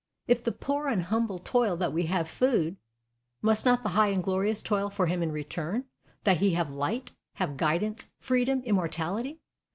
If the poor and humble toil that we have Food, must not the high and glorious toil for him in return, that he have Light, have Guidance, Freedom, Immortality?